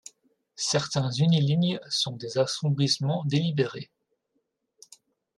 Certains unilignes sont des assombrissements délibérés.